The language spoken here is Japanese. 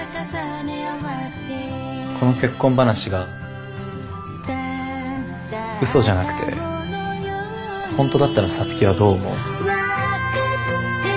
この結婚話が嘘じゃなくて本当だったら皐月はどう思う？